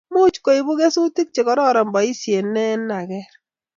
Much koibu kesutik che kororon boisiet ne nag'er